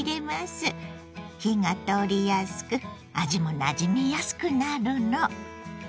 火が通りやすく味もなじみやすくなるの。